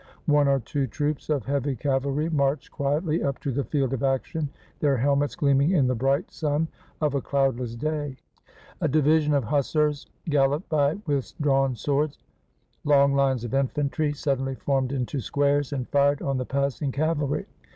One or two troops of heavy cavalry marched quietly up to the field of action, their helmets gleaming in the bright sun of a cloudless day. A division of hussars galloped by with drawn swords: long lines of infantry suddenly formed into squares, and fired on the passing cavalry.